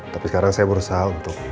tapi sekarang saya berusaha untuk